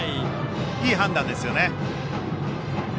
いい判断ですよね。